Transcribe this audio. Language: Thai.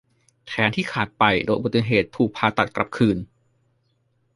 แขนที่ขาดไปโดยอุบัติเหตุถูกผ่าตัดกลับคืน